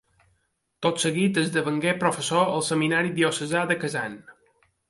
Tot seguit, esdevingué professor al seminari diocesà de Kazan.